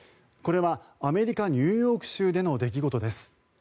これは、アメリカ・ニューヨーク州での出来事です。